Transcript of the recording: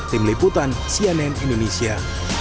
tim liputan cnn indonesia